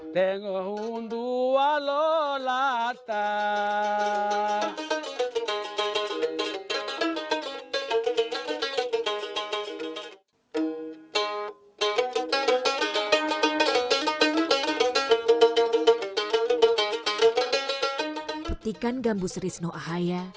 petikan gambu serisno ahaya